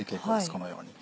このように。